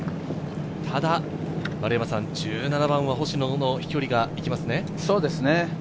ただ１７番は星野の飛距離が行きますね。